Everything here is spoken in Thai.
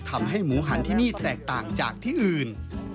ทำให้หมูหันที่นี่แตกต่างจากที่อื่น